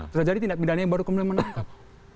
terjadi tindak pidananya baru kemudian menangkap